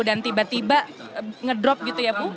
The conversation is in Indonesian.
dan tiba tiba ngedrop gitu ya ibu